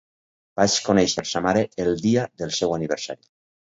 Vaig conéixer sa mare el dia del seu aniversari.